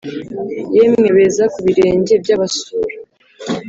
yemwe beza kubirenge byabasura,